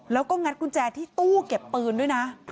แล้วก็งัดกุญแจที่ตู้เก็บปืนด้วยนะ